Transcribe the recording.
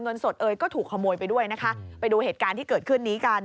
เงินสดเอยก็ถูกขโมยไปด้วยนะคะไปดูเหตุการณ์ที่เกิดขึ้นนี้กัน